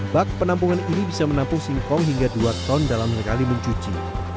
bak penampungan ini bisa menampung singkong hingga dua ton dalam sekali mencuci